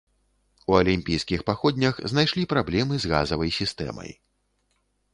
У алімпійскіх паходнях знайшлі праблемы з газавай сістэмай.